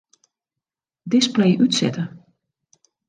Display útsette.